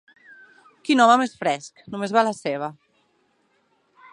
Quin home més fresc: només va a la seva!